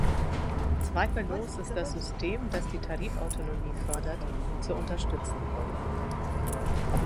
Zweifellos ist das System, das die Tarifautonomie fördert, zu unterstützen.